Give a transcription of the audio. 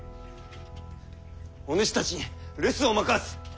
お主たちに留守を任す！